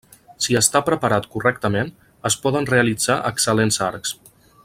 Si està preparat correctament, es poden realitza excel·lents arcs.